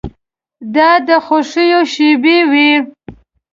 دا د خوښیو شېبې وې.